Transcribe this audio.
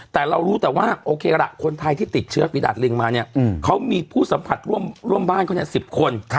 แต่เรารู้แต่ว่าโอเคล่ะคนไทยที่ติดเชื้อฝีดาดลิงมาเนี่ยเขามีผู้สัมผัสร่วมบ้านเขาเนี่ย๑๐คน